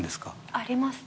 あります。